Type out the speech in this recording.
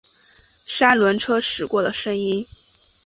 三轮车驶过的声音